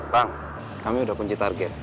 bang kami sudah kunci target